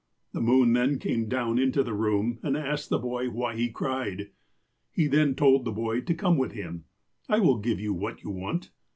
The moon then came down into the room, and asked the boy why he cried. He then told the boy to come with him :' I will give you what you want.'